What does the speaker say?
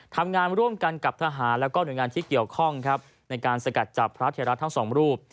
ทำงานร่วมกันกับทหารแล้วก็หน่วยงานที่เกี่ยวข้องครับในการสกัดจับพระเทราทั้งสองรูป